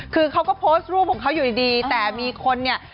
คือเขาก็โพสต์รูปของเขาอยู่ดีแต่มีคนเนี่ย